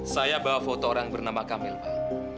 saya bawa foto orang bernama kamil pak